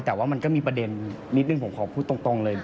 แต่ว่ามันก็มีประเด็นนิดนึงผมขอพูดตรงเลย